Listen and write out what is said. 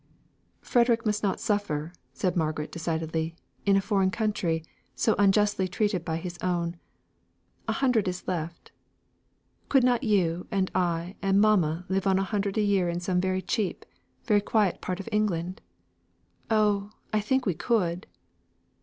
"Frederick must not suffer," said Margaret, decidedly; "in a foreign country; so unjustly treated by his own. A hundred is left. Could not you, and I, and mamma live on a hundred a year in some very cheap very quiet part of England? Oh! I think we could."